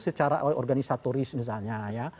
secara organisatoris misalnya